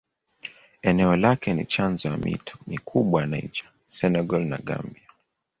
Eneo lake ni chanzo ya mito mikubwa ya Niger, Senegal na Gambia.